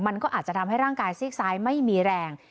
มันก็อาจจะทำให้ร่างกายซีกซ้ายไม่มีแรง